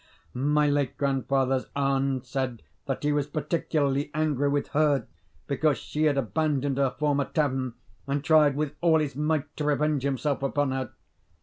My late grandfather's aunt said that he was particularly angry with her because she had abandoned her former tavern, and tried with all his might to revenge himself upon her.